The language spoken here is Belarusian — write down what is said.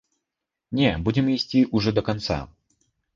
Не, будзем ісці ўжо да канца.